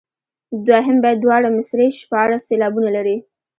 د دوهم بیت دواړه مصرعې شپاړس سېلابونه لري.